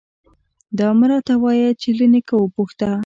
_دا مه راته وايه چې له نيکه وپوښته.